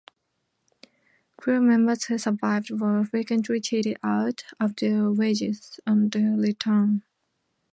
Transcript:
Crew members who survived were frequently cheated out of their wages on their return.